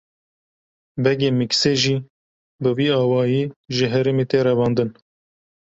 Begê Miksê jî bi vî awayî ji herêmê tê revandin.